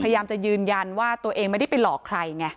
พยายามจะยืนยันว่าตัวเองไม่ได้ไปหลอกใครไง